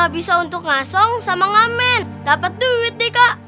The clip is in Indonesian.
bisa untuk ngasong sama ngamen dapet duit deh kak